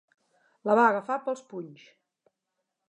La va agafar pels punys.